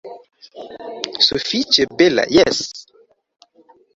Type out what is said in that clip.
Sufiĉe bela, jes.